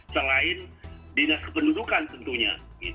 selain dinas kependudukan tentunya